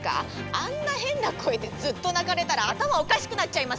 あんな変な声でずっと鳴かれたら頭おかしくなっちゃいますよ！